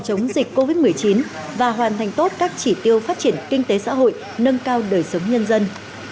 chống dịch covid một mươi chín và hoàn thành tốt các chỉ tiêu phát triển kinh tế xã hội nâng cao đời sống nhân dân